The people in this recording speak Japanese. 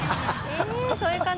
えっそういう感じ？